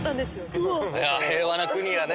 平和な国やね。